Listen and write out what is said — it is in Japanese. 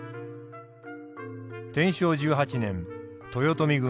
天正１８年豊臣軍